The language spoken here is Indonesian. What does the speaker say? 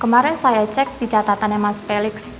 kemarin saya cek di catatannya mas pelik